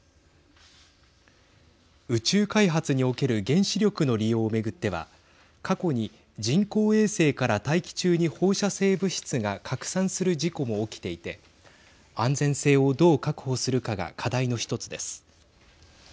宇宙開発における原子力の利用を巡っては過去に人工衛星から大気中に放射性物質が拡散する事故も起きていて安全性をどう確保するかが課題の１つです。